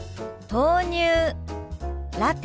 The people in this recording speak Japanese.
「豆乳ラテ」。